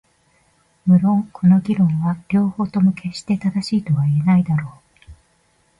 無論この議論は両方とも決して正しいとは言えないだろう。